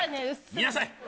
見なさい。